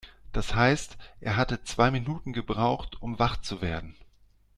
Das heißt, er hatte zwei Minuten gebraucht, um wach zu werden.